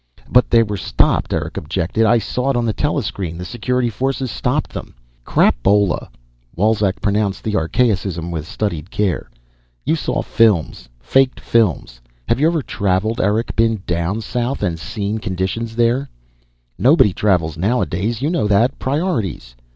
"But they were stopped," Eric objected. "I saw it on the telescreen, the security forces stopped them " "Crapola!" Wolzek pronounced the archaicism with studied care. "You saw films. Faked films. Have you ever traveled, Eric? Ever been down south and seen conditions there?" "Nobody travels nowadays. You know that. Priorities."